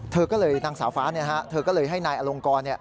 เธอก็เลยนางสาวฟ้าเธอก็เลยให้นายอลงกร